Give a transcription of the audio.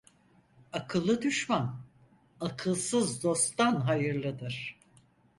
Akıllı düşman, akılsız dosttan hayırlıdır.